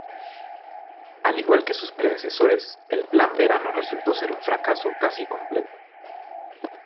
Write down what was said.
Al igual que sus predecesores, el Plan Verano resultó ser un fracaso casi completo.